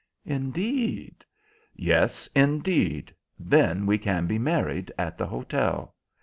"Indeed?" "Yes, indeed. Then we can be married at the hotel."